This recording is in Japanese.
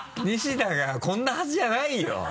西田がこんなはずじゃないよ。